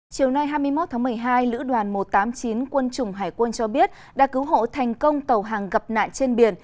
chiều nay hai mươi một tháng một mươi hai lữ đoàn một trăm tám mươi chín quân chủng hải quân cho biết đã cứu hộ thành công tàu hàng gặp nạn trên biển